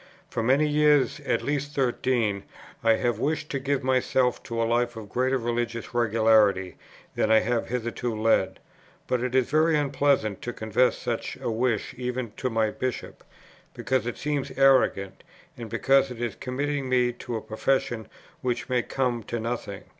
For many years, at least thirteen, I have wished to give myself to a life of greater religious regularity than I have hitherto led; but it is very unpleasant to confess such a wish even to my Bishop, because it seems arrogant, and because it is committing me to a profession which may come to nothing.